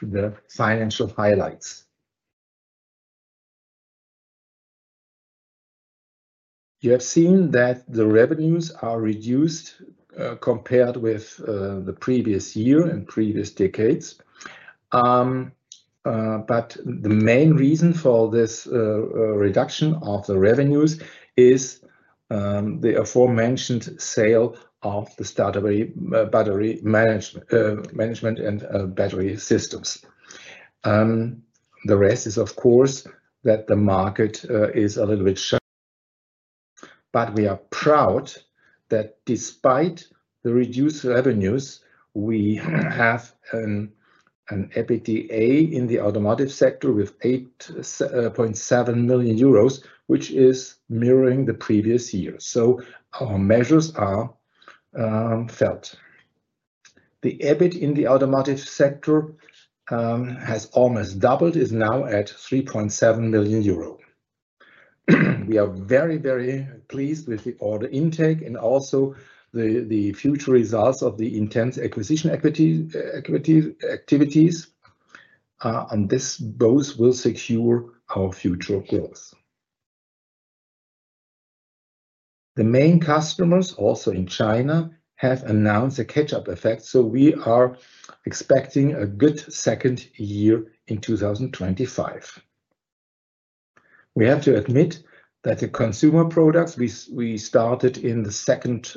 To the financial of highlights. You have seen that the revenues are reduced, compared with the previous year and previous decades. The main reason for this reduction of the revenues is the aforementioned sale of the starter battery management and battery systems. The rest is, of course, that the market is a little bit shy. We are proud that despite the reduced revenues, we have an EBITDA in the automotive sector with 8.7 million euros, which is mirroring the previous year. Our measures are felt. The EBIT in the automotive sector has almost doubled, is now at 3.7 million euro. We are very, very pleased with the order intake and also the future results of the intense acquisition activities. This boost will secure our future growth. The main customers, also in China, have announced a catch-up effect. We are expecting a good second year in 2025. We have to admit that the consumer products we started in the second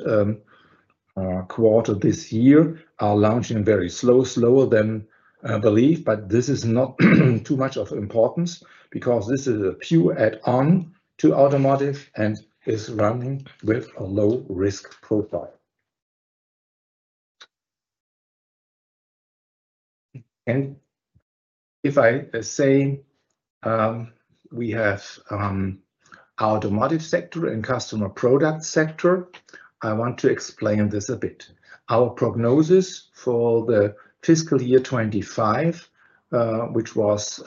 quarter of this year are launching very slow, slower than I believe. This is not too much of importance because this is a pure add-on to automotive and is running with a low-risk profile. If I say we have our automotive sector and customer product sector, I want to explain this a bit. Our prognosis for the fiscal year 2025, which was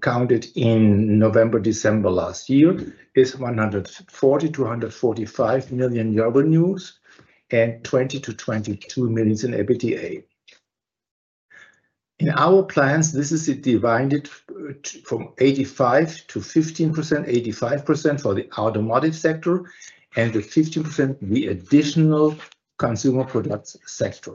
counted in November, December last year, is 140 million-145 million euro in revenues and 20 million-22 million in EBITDA. In our plans, this is divided from 85% to 15%, 85% for the automotive sector and the 15% additional consumer products sector.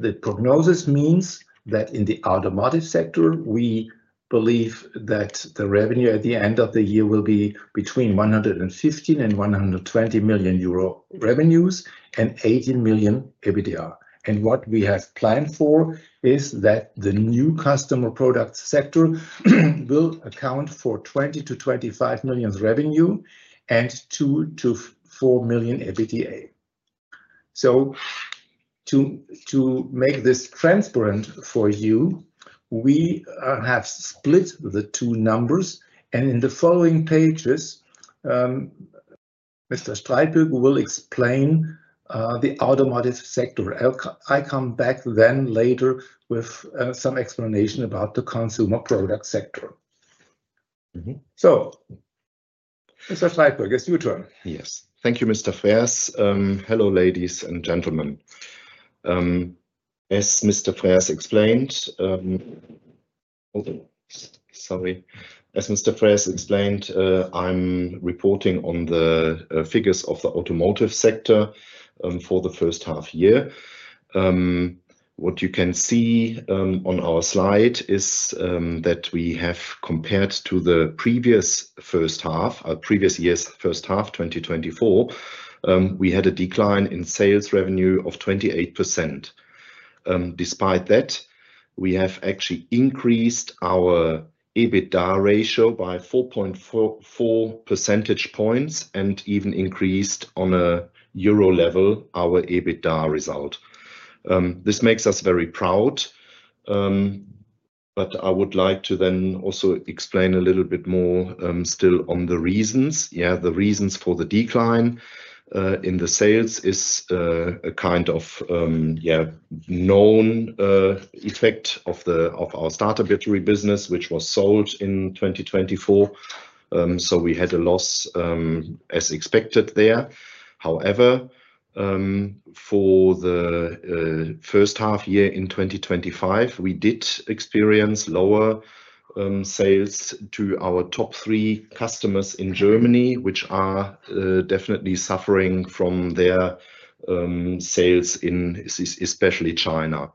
The prognosis means that in the automotive sector, we believe that the revenue at the end of the year will be between 115 million and 120 million euro revenues and 18 million EBITDA. What we have planned for is that the new customer product sector will account for 20 million-25 million revenue and 2 million-4 million EBITDA. To make this transparent for you, we have split the two numbers. In the following pages, Mr. Streitbürger will explain the automotive sector. I'll come back then later with some explanation about the consumer product sector. Mr. Streitbürger, it's your turn. Yes. Thank you, Mr. Frers. Hello, ladies and gentlemen. As Mr. Frers explained, I'm reporting on the figures of the automotive sector for the first half year. What you can see on our slide is that we have, compared to the previous first half, our previous year's first half, 2024, we had a decline in sales revenue of 28%. Despite that, we have actually increased our EBITDA ratio by 4.4 percentage points and even increased on a euro level our EBITDA result. This makes us very proud. I would like to then also explain a little bit more still on the reasons. The reasons for the decline in the sales is a kind of known effect of our starter battery business, which was sold in 2024. We had a loss as expected there. However, for the first half year in 2025, we did experience lower sales to our top three customers in Germany, which are definitely suffering from their sales in especially China.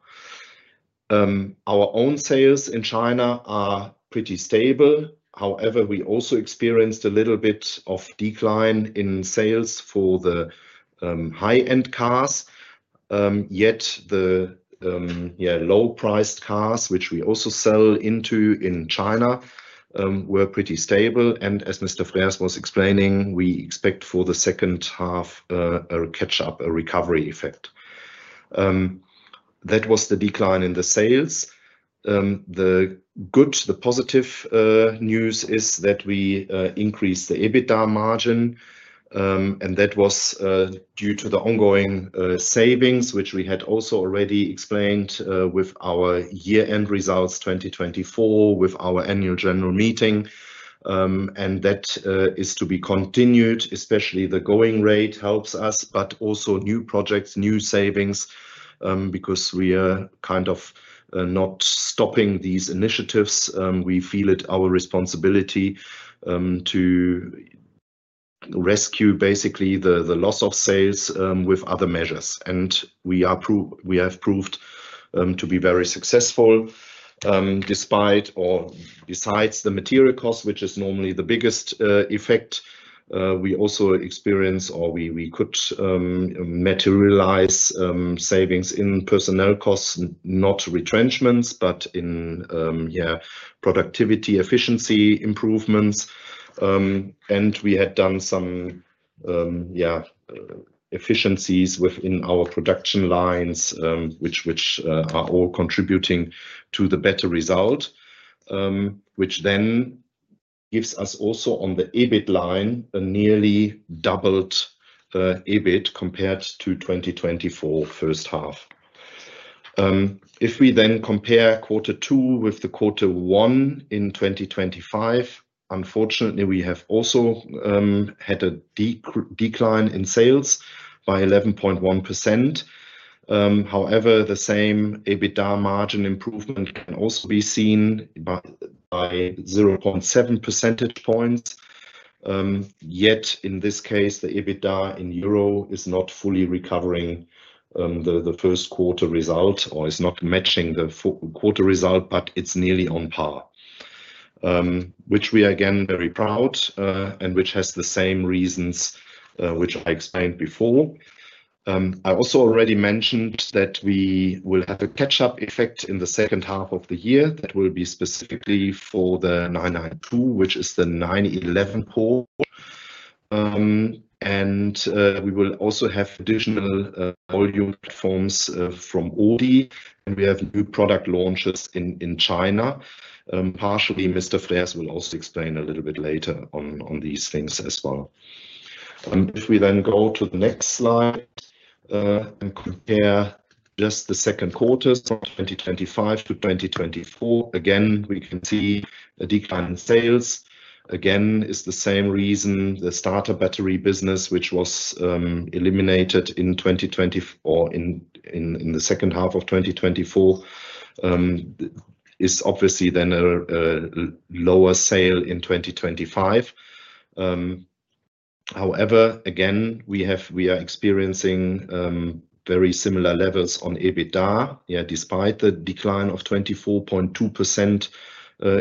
Our own sales in China are pretty stable. However, we also experienced a little bit of decline in sales for the high-end cars. Yet the low-priced cars, which we also sell into in China, were pretty stable. As Mr. Frers was explaining, we expect for the second half a catch-up, a recovery effect. That was the decline in the sales. The good, the positive news is that we increased the EBITDA margin. That was due to the ongoing savings, which we had also already explained with our year-end results 2024 with our annual general meeting. That is to be continued. Especially the going rate helps us, but also new projects, new savings because we are kind of not stopping these initiatives. We feel it's our responsibility to rescue basically the loss of sales with other measures. We have proved to be very successful. Besides the material costs, which is normally the biggest effect, we also experience or we could materialize savings in personnel costs, not retrenchments, but in productivity efficiency improvements. We had done some efficiencies within our production lines, which are all contributing to the better result, which then gives us also on the EBIT line a nearly doubled EBIT compared to 2024 first half. If we then compare quarter two with the quarter one in 2025, unfortunately, we have also had a decline in sales by 11.1%. However, the same EBITDA margin improvement can also be seen by 0.7 percentage points. Yet in this case, the EBITDA in euros is not fully recovering the first quarter result or is not matching the quarter result, but it's nearly on par, which we are again very proud and which has the same reasons which I explained before. I also already mentioned that we will have a catch-up effect in the second half of the year that will be specifically for the 992, which is the 911 Porsche. We will also have additional volume forms from Audi. We have new product launches in China. Partially, Mr. Frers will also explain a little bit later on these things as well. If we then go to the next slide and compare just the second quarter from 2025-2024, again, we can see a decline in sales. Again, it's the same reason. The starter battery business, which was eliminated in the second half of 2024, is obviously then a lower sale in 2025. However, again, we are experiencing very similar levels on EBITDA, despite the decline of 24.2%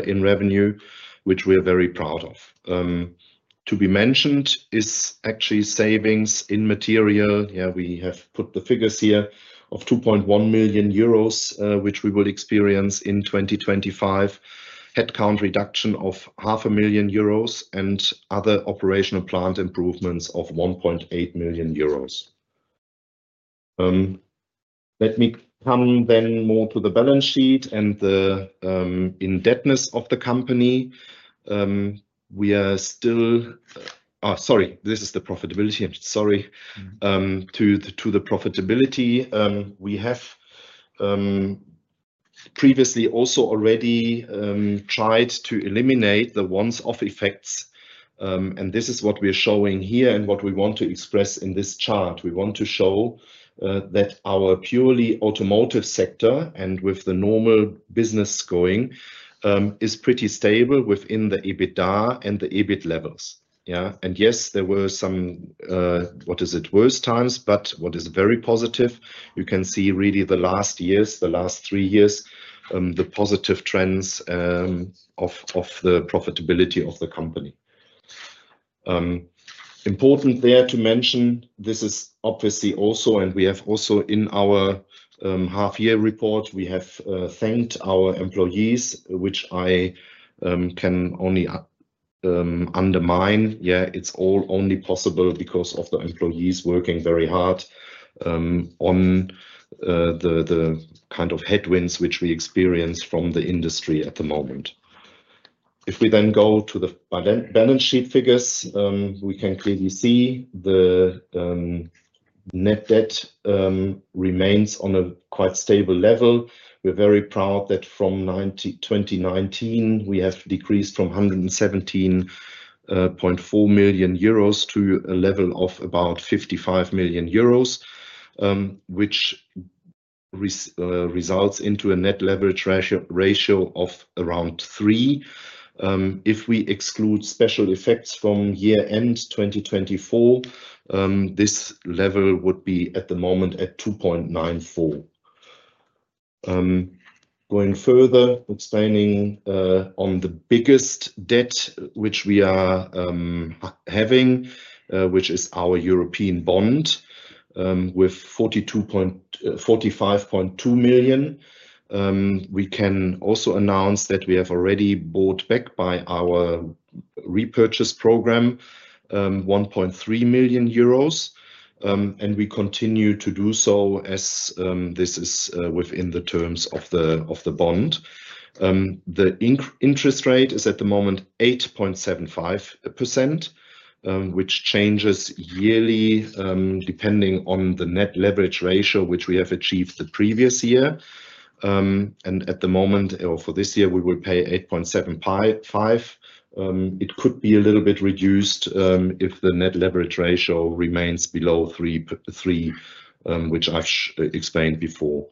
in revenue, which we are very proud of. To be mentioned is actually savings in material. We have put the figures here of 2.1 million euros, which we will experience in 2025, headcount reduction of 0.5 million euros, and other operational plant improvements of 1.8 million euros. Let me come then more to the balance sheet and the indebtedness of the company. We are still, sorry, this is the profitability. Sorry. To the profitability, we have previously also already tried to eliminate the once-off effects. This is what we're showing here and what we want to express in this chart. We want to show that our purely automotive sector and with the normal business going is pretty stable within the EBITDA and the EBIT levels. Yes, there were some, what is it, worst times, but what is very positive, you can see really the last years, the last three years, the positive trends of the profitability of the company. Important there to mention, this is obviously also, and we have also in our half-year report, we have thanked our employees, which I can only underline. It's all only possible because of the employees working very hard on the kind of headwinds which we experience from the industry at the moment. If we then go to the balance sheet figures, we can clearly see the net debt remains on a quite stable level. We're very proud that from 2019, we have decreased from 117.4 million euros to a level of about 55 million euros, which results into a net leverage ratio of around 3. If we exclude special effects from year-end 2024, this level would be at the moment at 2.94. Going further, explaining on the biggest debt which we are having, which is our European bond with 45.2 million. We can also announce that we have already bought back by our repurchase program 1.3 million euros. We continue to do so as this is within the terms of the bond. The interest rate is at the moment 8.75%, which changes yearly depending on the net leverage ratio, which we have achieved the previous year. At the moment, or for this year, we will pay 8.75%. It could be a little bit reduced if the net leverage ratio remains below 3, which I've explained before.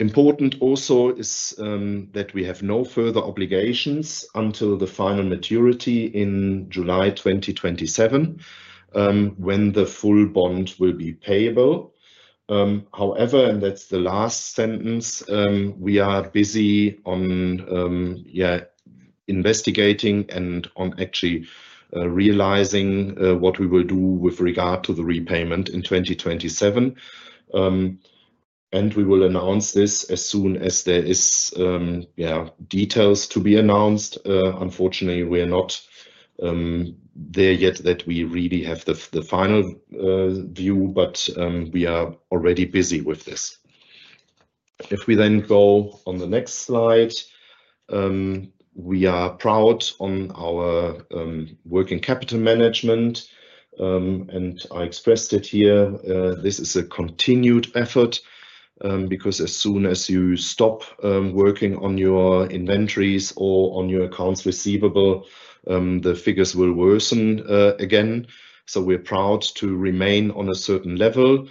Important also is that we have no further obligations until the final maturity in July 2027 when the full bond will be payable. However, that's the last sentence, we are busy on investigating and on actually realizing what we will do with regard to the repayment in 2027. We will announce this as soon as there are details to be announced. Unfortunately, we are not there yet that we really have the final view, but we are already busy with this. If we then go on the next slide, we are proud on our working capital management. I expressed it here. This is a continued effort because as soon as you stop working on your inventories or on your accounts receivable, the figures will worsen again. We're proud to remain on a certain level,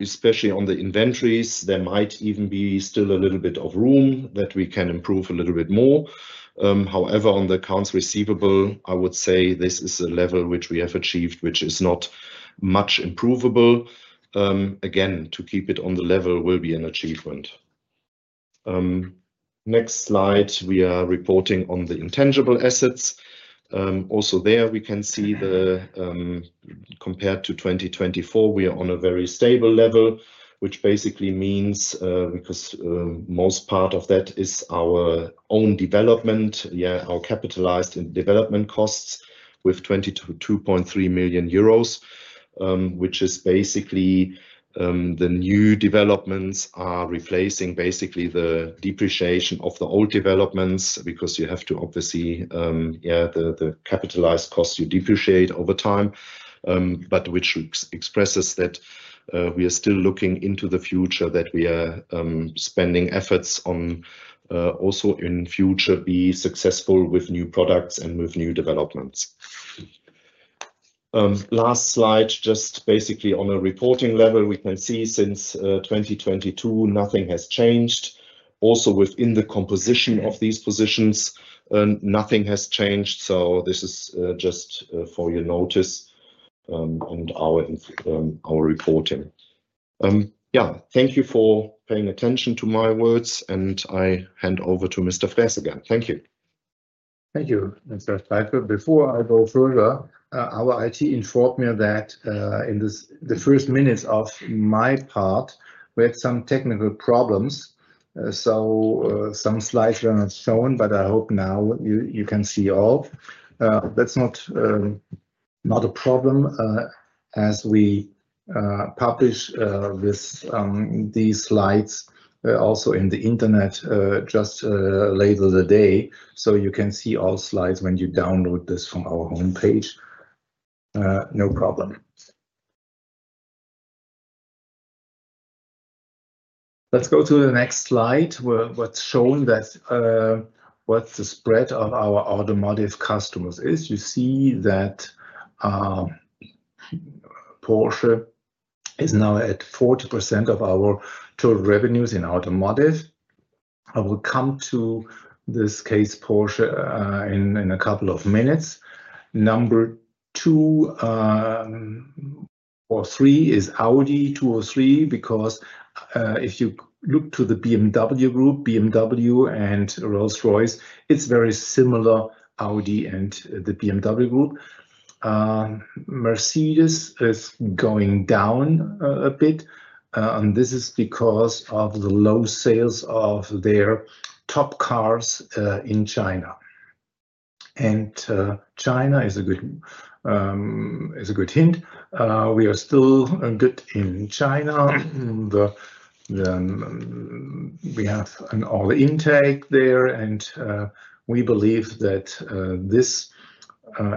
especially on the inventories. There might even be still a little bit of room that we can improve a little bit more. However, on the accounts receivable, I would say this is a level which we have achieved, which is not much improvable. Again, to keep it on the level will be an achievement. Next slide, we are reporting on the intangible assets. Also there, we can see that compared to 2024, we are on a very stable level, which basically means because the most part of that is our own development, our capitalized development costs with 22.3 million euros, which is basically the new developments are replacing basically the depreciation of the old developments because you have to obviously, the capitalized costs you depreciate over time. Which expresses that we are still looking into the future, that we are spending efforts on also in the future to be successful with new products and with new developments. Last slide, just basically on a reporting level, we can see since 2022, nothing has changed. Also, within the composition of these positions, nothing has changed. This is just for your notice and our reporting. Thank you for paying attention to my words. I hand over to Mr. Frers again. Thank you. Thank you, Mr. Streitbürger. Before I go further, our IT informed me that in the first minutes of my part, we had some technical problems. Some slides are not shown, but I hope now you can see all. That's not a problem. As we publish these slides also in the internet just later in the day, you can see all slides when you download this from our homepage. No problem. Let's go to the next slide, where what's showing that what's the spread of our automotive customers is. You see that Porsche is now at 40% of our total revenues in automotive. I will come to this case, Porsche, in a couple of minutes. Number two or three is Audi 203 because if you look to the BMW Group, BMW and Rolls-Royce, it's very similar, Audi and the BMW Group. Mercedes is going down a bit. This is because of the low sales of their top cars in China. China is a good hint. We are still a bit in China. We have an order intake there. We believe that this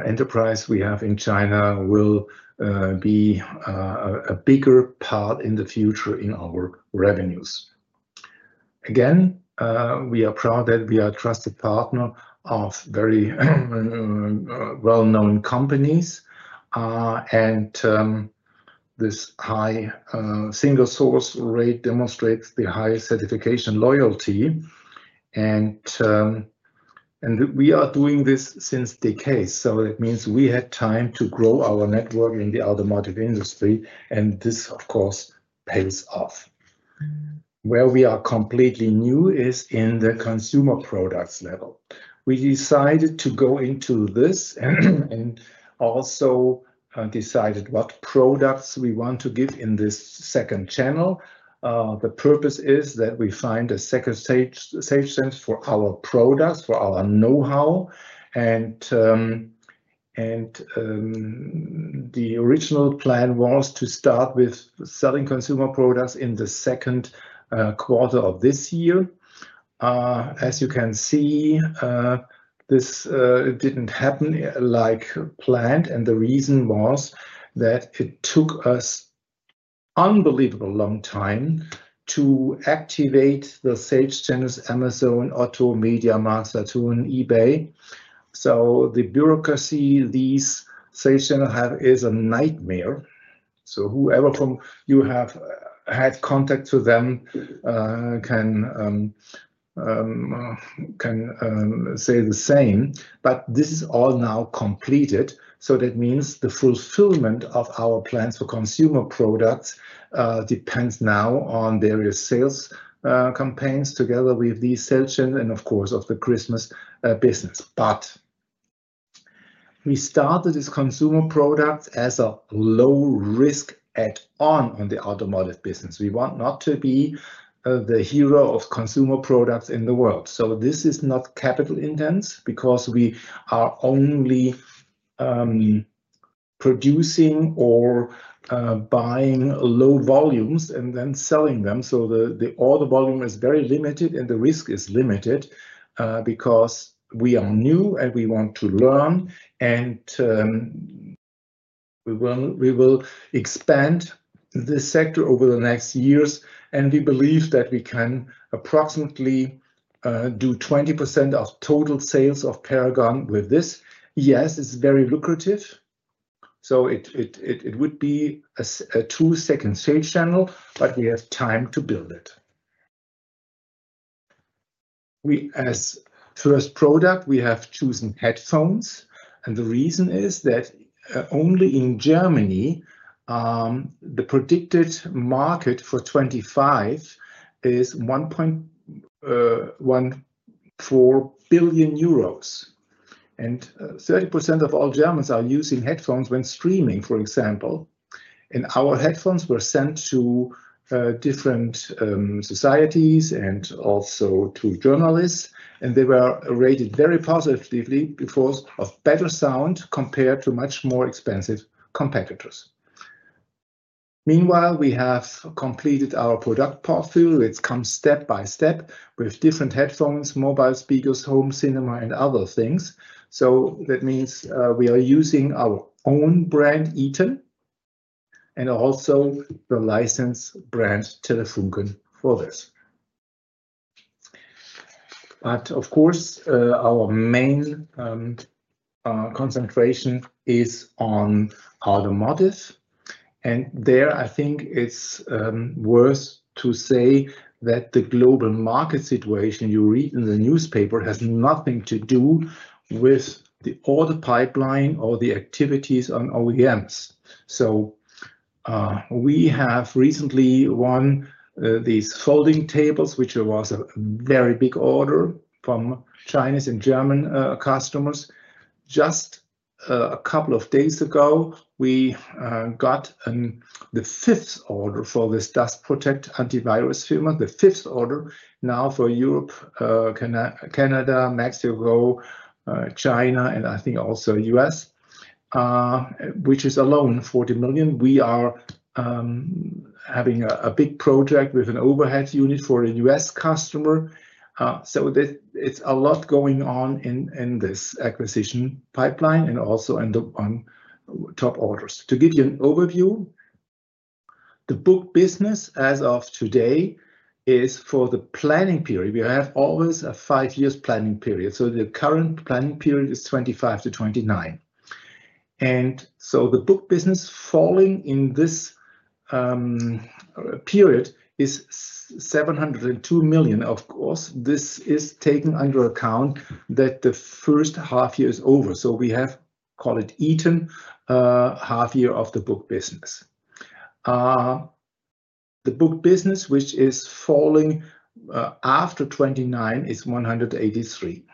enterprise we have in China will be a bigger part in the future in our revenues. Again, we are proud that we are a trusted partner of very well-known companies. This high single-source rate demonstrates the highest certification loyalty. We are doing this since decades. It means we had time to grow our network in the automotive industry. This, of course, pays off. Where we are completely new is in the consumer products level. We decided to go into this and also decided what products we want to give in this second channel. The purpose is that we find a second sales section for our products, for our know-how. The original plan was to start with selling consumer products in the second quarter of this year. As you can see, this didn't happen like planned. The reason was that it took us an unbelievably long time to activate the sales channels: Amazon, Otto, MediaMarkt, Saturn, eBay. The bureaucracy these sales channels have is a nightmare. Whoever from you has had contact with them can say the same. This is all now completed. That means the fulfillment of our plans for consumer products depends now on various sales campaigns together with these sales channels and, of course, of the Christmas business. We started this consumer product as a low-risk add-on on the automotive business. We want not to be the hero of consumer products in the world. This is not capital intense because we are only producing or buying low volumes and then selling them. The order volume is very limited and the risk is limited because we are new and we want to learn. We will expand this sector over the next years. We believe that we can approximately do 20% of total sales of paragon with this. Yes, it's very lucrative. It would be a two-second sales channel, but we have time to build it. As first product, we have chosen headphones. The reason is that only in Germany, the predicted market for 2025 is 1.4 billion euros. 30% of all Germans are using headphones when streaming, for example. Our headphones were sent to different societies and also to journalists. They were rated very positively because of better sound compared to much more expensive competitors. Meanwhile, we have completed our product portfolio. It comes step by step with different headphones, mobile speakers, home cinema, and other things. That means we are using our own brand, ETON, and also the licensed brand, TELEFUNKEN, for this. Of course, our main concentration is on automotive. There, I think it's worth to say that the global market situation you read in the newspaper has nothing to do with the order pipeline or the activities on OEMs. We have recently won these folding tables, which was a very big order from Chinese and German customers. Just a couple of days ago, we got the fifth order for this Dust Protect antivirus firmware. The fifth order now for Europe, Canada, Mexico, China, and I think also the U.S., which is alone 40 million. We are having a big project with an overhead unit for a U.S. customer. It's a lot going on in this acquisition pipeline and also on top orders. To give you an overview, the book business as of today is for the planning period. We have always a five-year planning period. The current planning period is 2025-2029. The book business falling in this period is 702 million. This is taking into account that the first half year is over. We have called it ETON half year of the book business. The book business, which is falling after 2029, is 183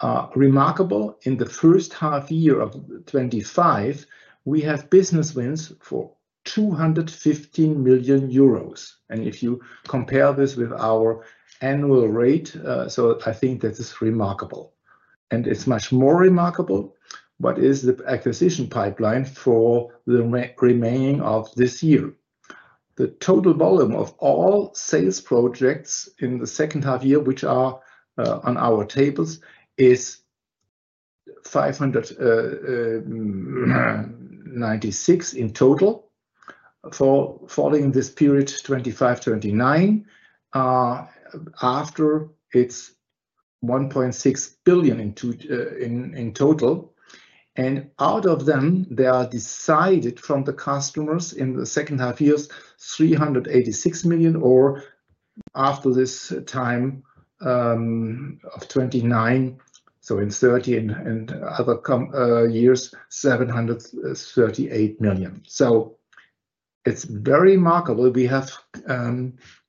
million. Remarkable, in the first half year of 2025, we have business wins for 215 million euros. If you compare this with our annual rate, I think this is remarkable. It's much more remarkable what is the acquisition pipeline for the remaining of this year. The total volume of all sales projects in the second half year, which are on our tables, is 596 million in total. Falling in this period, 2025-2029, after it's 1.6 billion in total. Out of them, they are decided from the customers in the second half years, 386 million, or after this time of 2029, so in 2030 and other years, 738 million. It's very remarkable. We have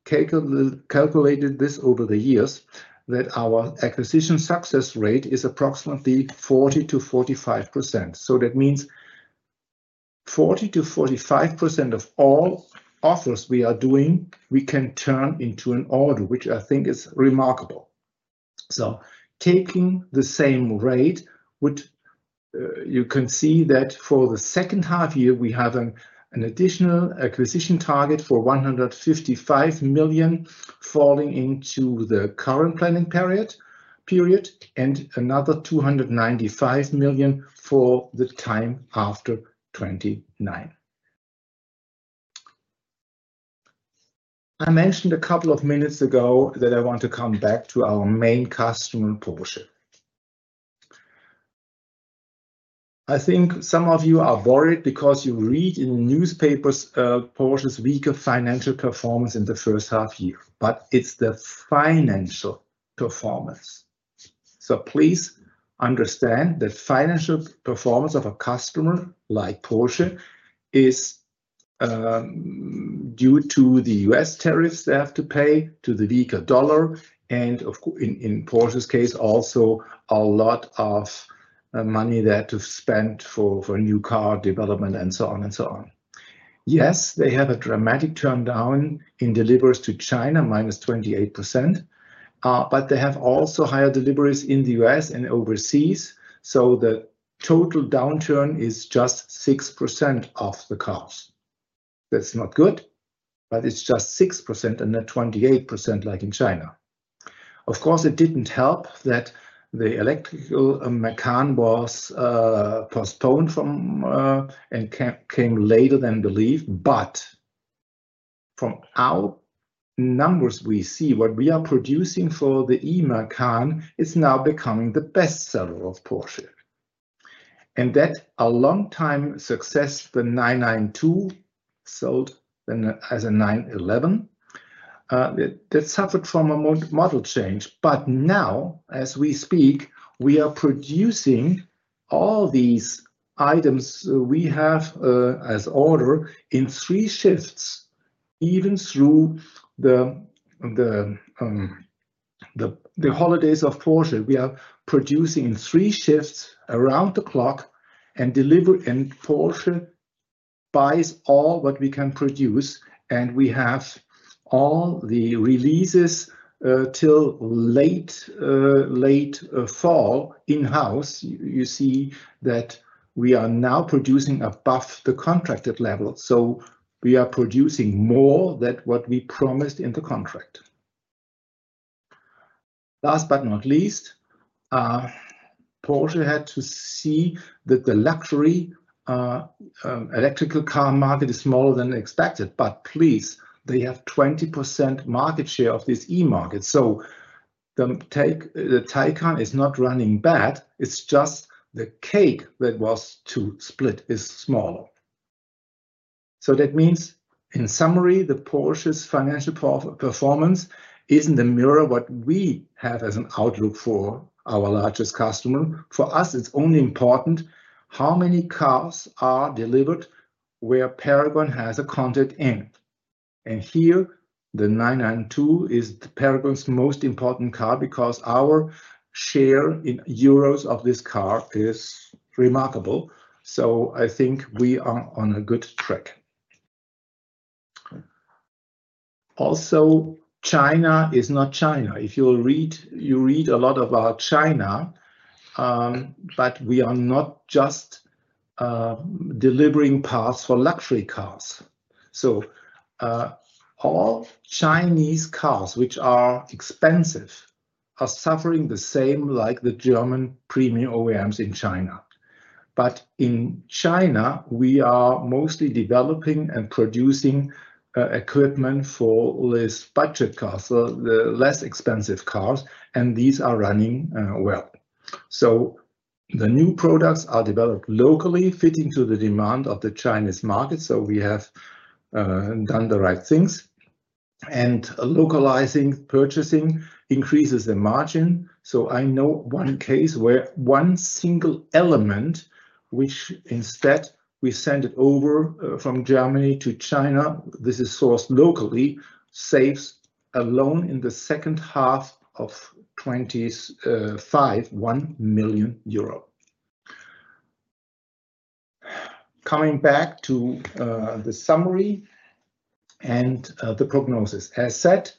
calculated this over the years that our acquisition success rate is approximately 40%-45%. That means 40%-45% of all offers we are doing, we can turn into an order, which I think is remarkable. Taking the same rate, you can see that for the second half year, we have an additional acquisition target for 155 million falling into the current planning period and another 295 million for the time after 2029. I mentioned a couple of minutes ago that I want to come back to our main customer, Porsche. I think some of you are worried because you read in the newspapers, Porsche's weaker financial performance in the first half year. It's the financial performance. Please understand that financial performance of a customer like Porsche is due to the U.S. tariffs they have to pay to the weaker dollar. In Porsche's case, also a lot of money that is spent for new car development and so on and so on. Yes, they have a dramatic turndown in deliveries to China, -28%. They have also higher deliveries in the U.S. and overseas. The total downturn is just 6% of the cars. That's not good, but it's just 6% and not 28% like in China. It didn't help that the electrical Macan was postponed from and came later than believed. From our numbers, we see what we are producing for the e-Macan is now becoming the best seller of Porsche. That a long-time success for 992 sold as a 911 that suffered from a model change. Now, as we speak, we are producing all these items we have as order in three shifts, even through the holidays of Porsche. We are producing in three shifts around the clock, and Porsche buys all what we can produce. We have all the releases till late fall in-house. You see that we are now producing above the contracted level. We are producing more than what we promised in the contract. Last but not least, Porsche had to see that the luxury electrical car market is smaller than expected. Please, they have 20% market share of this e-market. The Taycan is not running bad. It's just the cake that was to split is smaller. That means, in summary, that Porsche's financial performance isn't the mirror of what we have as an outlook for our largest customer. For us, it's only important how many cars are delivered where paragon has content in. Here, the 992 is paragon's most important car because our share in euros of this car is remarkable. I think we are on a good track. Also, China is not China. If you read, you read a lot about China, but we are not just delivering parts for luxury cars. All Chinese cars, which are expensive, are suffering the same like the German premium OEMs in China. In China, we are mostly developing and producing equipment for this budget car, so the less expensive cars, and these are running well. The new products are developed locally, fitting to the demand of the Chinese market. We have done the right things. Localizing purchasing increases the margin. I know one case where one single element, which instead we sent it over from Germany to China, this is sourced locally, saves alone in the second half of 2025, EUR 1 million. Coming back to the summary and the prognosis. As said,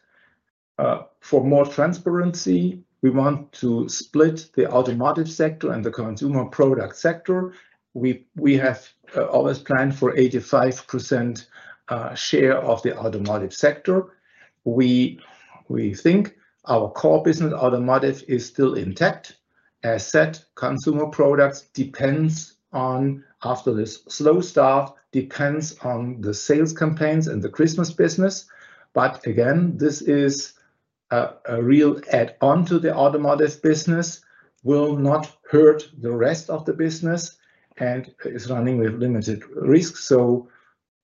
for more transparency, we want to split the automotive sector and the consumer product sector. We have always planned for 85% share of the automotive sector. We think our core business, automotive, is still intact. As said, consumer products depend on, after this slow start, depend on the sales campaigns and the Christmas business. Again, this is a real add-on to the automotive business. It will not hurt the rest of the business and is running with limited risk.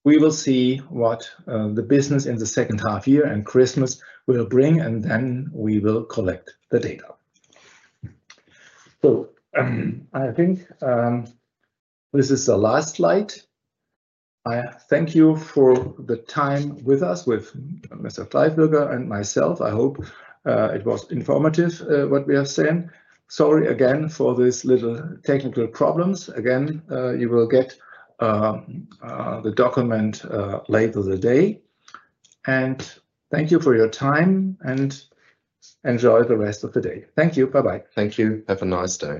We will see what the business in the second half year and Christmas will bring, and then we will collect the data. I think this is the last slide. I thank you for the time with us, with Mr. Strass and myself. I hope it was informative, what we have said. Sorry again for these little technical problems. You will get the document later today. Thank you for your time, and enjoy the rest of the day. Thank you. Bye-bye. Thank you. Have a nice day.